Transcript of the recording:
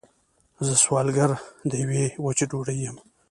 زه سوالګره د یوې وچې ډوډۍ یم